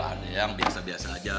ada yang biasa biasa aja